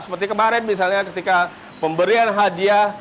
seperti kemarin misalnya ketika pemberian hadiah